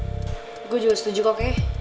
saya juga setuju keh